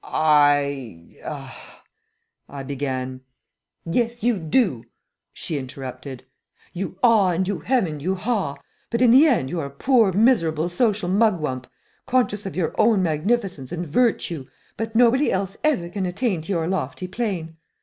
"I ah " I began. "Yes you do," she interrupted. "You ah and you hem and you haw, but in the end you're a poor miserable social mugwump, conscious of your own magnificence and virtue, but nobody else ever can attain to your lofty plane.